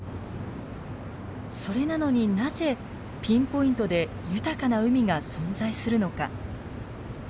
それなのになぜピンポイントで豊かな海が存在するのか？